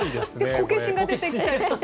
こけしが出てきたりとか。